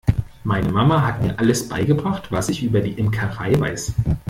Meine Mama hat mir alles beigebracht, was ich über die Imkerei weiß.